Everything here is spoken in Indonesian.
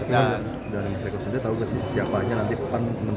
dan saya kesen dia tau siapanya nanti pan menterinya